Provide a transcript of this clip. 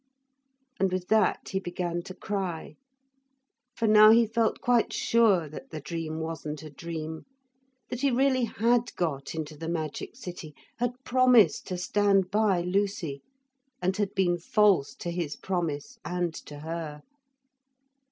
And with that he began to cry. For now he felt quite sure that the dream wasn't a dream that he really had got into the magic city, had promised to stand by Lucy, and had been false to his promise and to her.